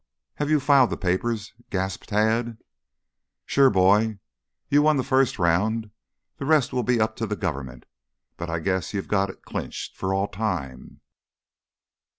"Have you filed the papers?" gasped Tad. "Sure, boy! You've won the first round. The rest will be up to the government, but I guess you've got it clinched for all time."